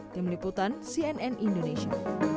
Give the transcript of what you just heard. tim liputan cnn indonesia